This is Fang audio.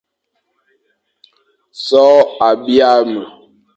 So a bîa me,